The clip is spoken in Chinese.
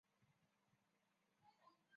同专辑歌曲。